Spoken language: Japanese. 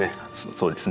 そうですね。